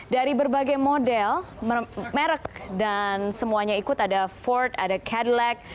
dari berbagai model merek dan semuanya ikut ada ford ada cadillac